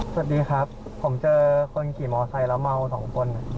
สวัสดีครับผมเจอคนขี่มอไซค์แล้วเมาสองคน